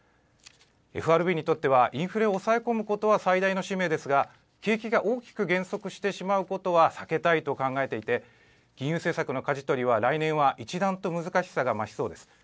ＦＲＢにとってはインフレを抑え込むことは最大の使命ですが、景気が大きく減速してしまうことは避けたいと考えていて、金融政策のかじ取りは来年は一段と難しさが増しそうです。